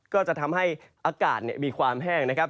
ก็จะทำให้อากาศมีความแห้งนะครับ